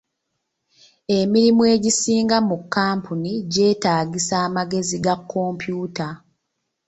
Emirimu egisinga mu kkampuni gyeetaagisa amagezi ga kompyuta.